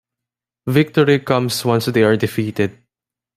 Victory comes once they are defeated.